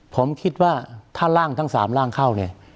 ผมคิดว่าถ้าร่างทั้ง๓ร่างเข้าเนี่ย